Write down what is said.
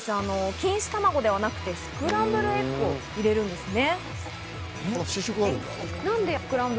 錦糸卵ではなくてスクランブルエッグを入れるんですね。